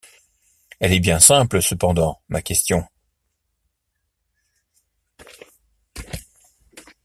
Elle est bien simple cependant, ma question.